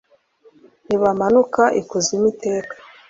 Ntibamanuka ikuzimu iteka